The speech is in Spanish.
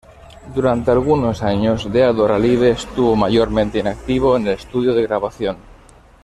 Durante algunos años, Dead or Alive estuvo mayormente inactivo en el estudio de grabación.